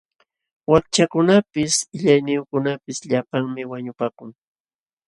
Wakchakunapis qillayniyuqkunapis llapanmi wañupakun.